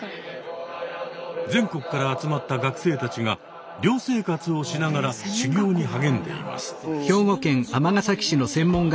全国から集まった学生たちが寮生活をしながら修行に励んでいます。